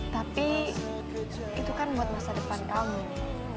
tapi itu kan buat masa depan kamu